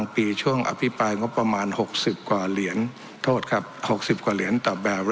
ปีช่วงอภิปรายก็ประมาณหกสิบกว่าเหรียญโทษครับหกสิบกว่าเหรียญต่อ